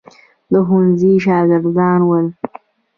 د ښوونځي شاګردان ول.